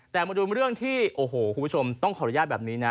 แต่มาดูเรื่องที่โอ้โหคุณผู้ชมต้องขออนุญาตแบบนี้นะ